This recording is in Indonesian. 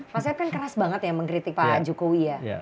pak saif kan keras banget ya mengkritik pak jokowi ya